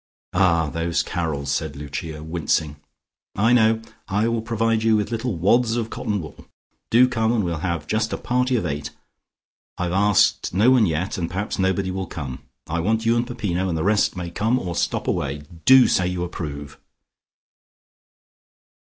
"Ah, those carols" said Lucia, wincing. "I know: I will provide you with little wads of cotton wool. Do come and we'll have just a party of eight. I've asked no one yet and perhaps nobody will come. I want you and Peppino, and the rest may come or stop away. Do say you approve."